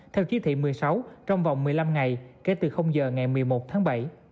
theo chí thị một mươi sáu trong vòng một mươi năm ngày kể từ giờ ngày một mươi một tháng bảy